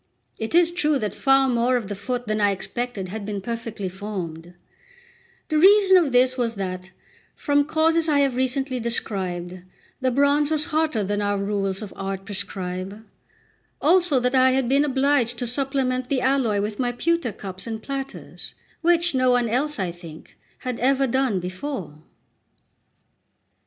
It is true that far more of the foot than I expected had been perfectly formed; the reason of this was that, from causes I have recently described, the bronze was hotter than our rules of art prescribe; also that I had been obliged to supplement the alloy with my pewter cups and platters, which no one else, I think, had ever done before.